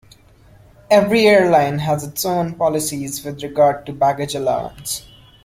Every airline has its own policies with regard to baggage allowance.